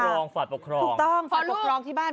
สวัสดิ์ปกครองถูกต้อง